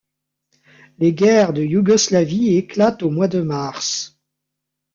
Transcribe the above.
Les guerres de Yougoslavie éclatent au mois de mars.